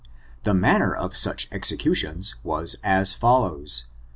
The manner of sndi executions was as follows.